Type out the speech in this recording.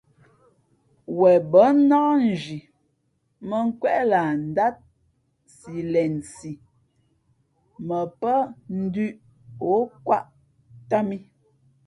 Wen bα̌ nnák nzhi mᾱnkwéʼ lah ndát si lensi mα pά ndʉ̄ʼ ǒ kwāʼ tām ī.